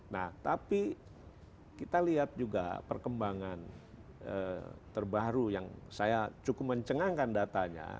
nah tapi kita lihat juga perkembangan terbaru yang saya cukup mencengangkan datanya